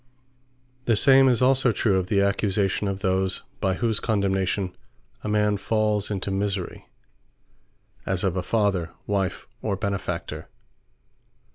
The same is also true, of the Accusation of those, by whose Condemnation a man falls into misery; as of a Father, Wife, or Benefactor.